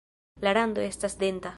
La rando estas denta.